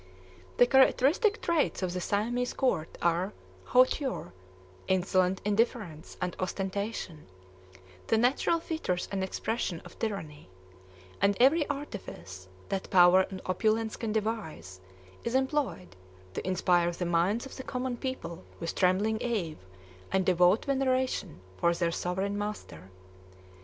The characteristic traits of the Siamese Court are hauteur, insolent indifference, and ostentation, the natural features and expression of tyranny; and every artifice that power and opulence can devise is employed to inspire the minds of the common people with trembling awe and devout veneration for their sovereign master.